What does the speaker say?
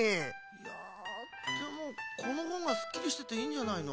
いやでもこのほうがすっきりしてていいんじゃないの？